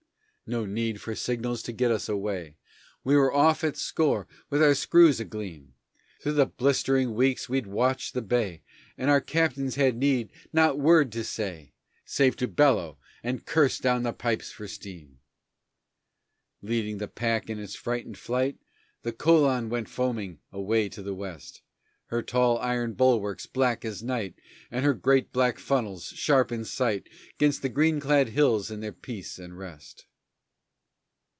No need for signals to get us away We were off at score, with our screws a gleam! Through the blistering weeks we'd watched the bay And our captains had need not a word to say Save to bellow and curse down the pipes for steam! Leading the pack in its frightened flight The Colon went foaming away to the west Her tall iron bulwarks, black as night, And her great black funnels, sharp in sight 'Gainst the green clad hills in their peace and rest.